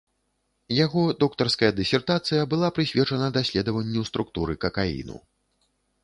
Яго доктарская дысертацыя была прысвечана даследаванню структуры какаіну.